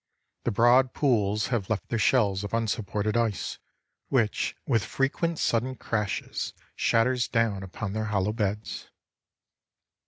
The broad pools have left their shells of unsupported ice, which with frequent sudden crashes shatters down upon their hollow beds.